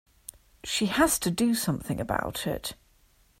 She has to do something about it.